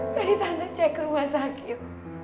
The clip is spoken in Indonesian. tadi tante cek ke rumah sakit